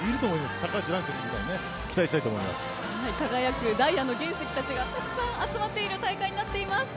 高橋藍選手みたいに輝くダイヤの原石たちがたくさん集まっている大会になっています。